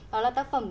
đó là tác phẩm